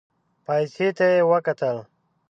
پايڅې ته يې وکتل.